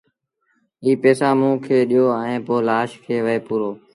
اي پئيٚسآ موݩ کي ڏيو ائيٚݩ پو لآش کي وهي پورو